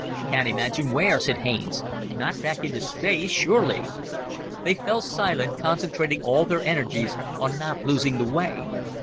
"Can't imagine where," said Haines. "Not back into space, surely?" They fell silent, concentrating all their energies on not losing the way.